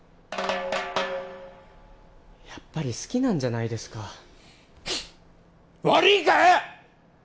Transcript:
やっぱり好きなんじゃないですか悪いかよ！